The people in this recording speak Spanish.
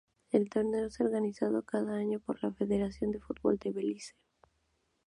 El torneo es organizado cada año por la Federación de Fútbol de Belice.